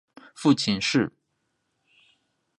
父亲是。